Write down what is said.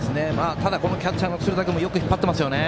ただ、キャッチャーの鶴田君もよく引っ張っていますね。